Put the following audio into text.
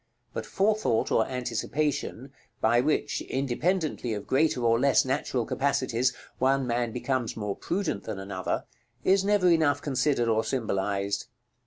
But forethought or anticipation, by which, independently of greater or less natural capacities, one man becomes more prudent than another, is never enough considered or symbolized.